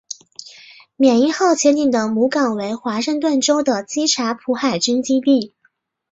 缅因号潜艇的母港为华盛顿州的基察普海军基地。